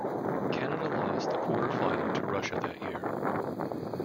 Canada lost the quarter-final to Russia that year.